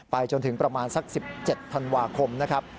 จนถึงประมาณสัก๑๗ธันวาคมนะครับ